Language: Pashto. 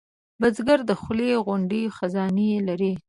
بزګر د خولې غوندې خزانې لري